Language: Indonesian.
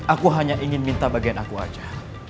aku hanya ingin minta bagian aku saja